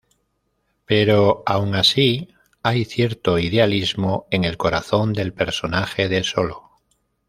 Pero aun así, hay cierto idealismo en el corazón del personaje de Solo.